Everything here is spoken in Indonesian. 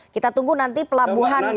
kita tunggu nanti pelabuhan